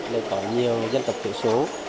nên có nhiều dân tộc thiểu số